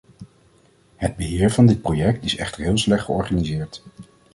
Het beheer van dit project is echter heel slecht georganiseerd.